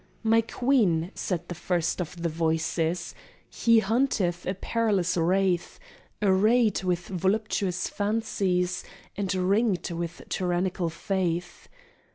"My Queen," said the first of the Voices, "He hunteth a perilous wraith, Arrayed with voluptuous fancies And ringed with tyrannical faith.